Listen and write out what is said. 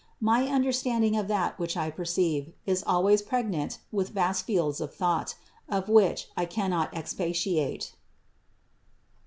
My understanding of that which I perceive, is always preg nant with vast fields of thought, on which I cannot expatiate.